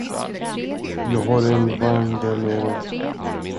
Jag har en vagn där nere.